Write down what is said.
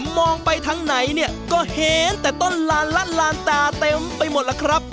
มองไปทางไหนเนี่ยก็เห็นแต่ต้นลานลั่นลานตาเต็มไปหมดล่ะครับ